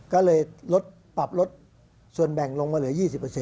ก็เลยลดปรับลดส่วนแบ่งลงมาเหลือ๒๐